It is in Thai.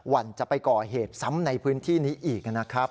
วันจะไปก่อเหตุซ้ำในพื้นที่นี้อีกนะครับ